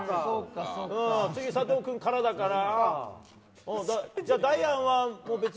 次、佐藤君からだから。